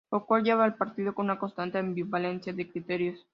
Lo cual lleva al partido a una constante ambivalencia de criterios.